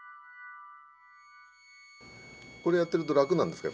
これやってると楽なんですか？